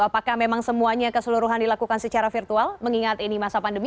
apakah memang semuanya keseluruhan dilakukan secara virtual mengingat ini masa pandemi